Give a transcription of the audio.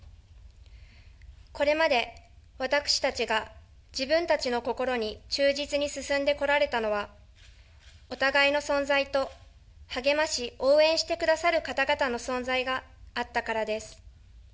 これまで私たちが自分たちの心に忠実に進んでこられたのは、お互いの存在と、励まし、応援してくださる方々の存在があったからです。